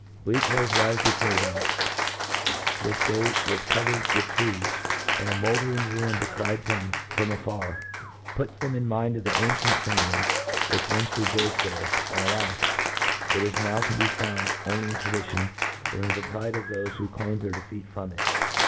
Bleak bills rUfe before them, which they wflh covered with trees } and a mouldering ruin defcried from «&tr, puts them in mind of the ancient family P which 114 IN T R O D U G TI O N, which once rejoiced there, and, alas ! is now t6 be found only in Jradition, or in the pride of thofe who claim their defcent from it.